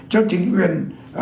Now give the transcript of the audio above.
cho chính quyền